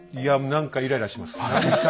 何かイライラします。